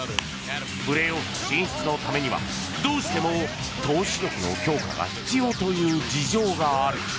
プレーオフ進出のためにはどうしても投手力の強化が必要という事情がある。